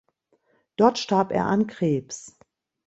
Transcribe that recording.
Dort starb er an Krebs.